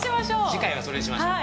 ◆次回は、それにしましょう。